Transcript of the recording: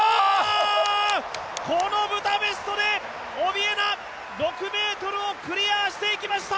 このブダペストでオビエナ、６ｍをクリアしていきました！